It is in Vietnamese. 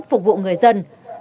phục vụ người đứng đầu đơn vị